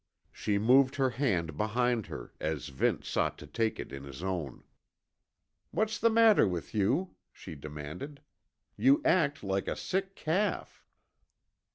She moved her hand behind her as Vince sought to take it in his own. "What's the matter with you?" she demanded. "You act like a sick calf."